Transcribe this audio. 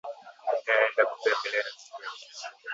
Naenda kutembelea rafiki yangu